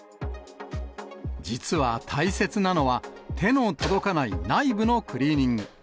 実は大切なのは、手の届かない内部のクリーニング。